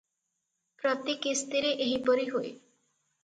ପ୍ରତି କିସ୍ତିରେ ଏହିପରି ହୁଏ ।